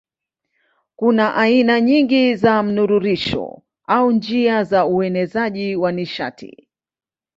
Kuna aina nyingi za mnururisho au njia za uenezaji wa nishati.